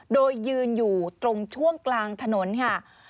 โดยยืนอยู่ตรงช่วงกลางถนนค่ะ